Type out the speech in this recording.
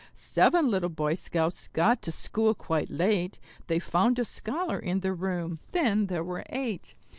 Seven little Boy Scouts got to school quite late; They found a scholar in the room then there were eight.